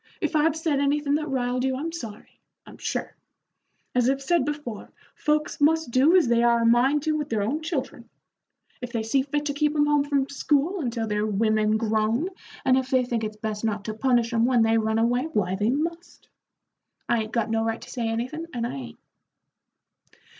"If I've said anythin' that riled you, I'm sorry, I'm sure. As I said before, folks must do as they are a mind to with their own children. If they see fit to keep 'em home from school until they're women grown, and if they think it's best not to punish 'em when they run away, why they must. I 'ain't got no right to say anythin', and I 'ain't."